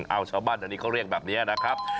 ชาวบ้านอันนี้เขาเรียกแบบนี้นะครับ